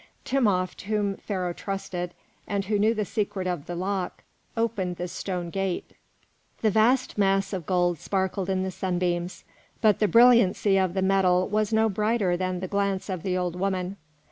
Timopht, whom Pharaoh trusted, and who knew the secret of the lock, opened the stone gate. The vast mass of gold sparkled in the sunbeams, but the brilliancy of the metal was no brighter than the glance of the old woman.